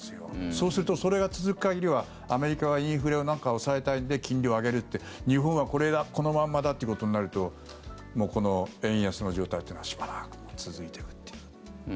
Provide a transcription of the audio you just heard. そうすると、それが続く限りはアメリカはインフレを抑えたいんで金利を上げるって、日本はこのまんまだってことになるともうこの円安の状態というのはしばらく続いていくっていう。